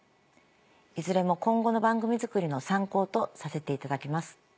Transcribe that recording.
いずれも今後の番組作りの参考とさせていただきます。